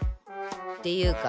っていうか。